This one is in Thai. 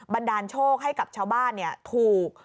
ันดาลโชคให้กับชาวบ้านถูก